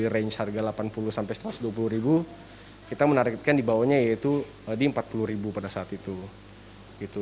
range harga delapan puluh sampai satu ratus dua puluh ribu kita menarikkan dibawanya yaitu di empat puluh ribu pada saat itu